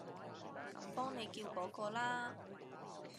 咁幫你叫嗰個啦